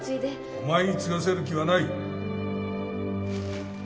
お前に継がせる気はない